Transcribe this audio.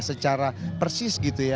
secara persis gitu ya